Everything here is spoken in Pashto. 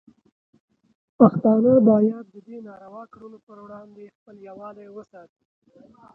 پښتانه باید د دې ناروا کړنو پر وړاندې خپل یووالی وساتي.